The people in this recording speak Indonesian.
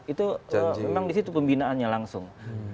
itu memang di situ pembinaannya langsung